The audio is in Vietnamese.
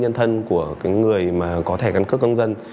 nhân thân của cái người mà có thể căn cước công dân